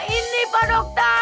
ini pak dokter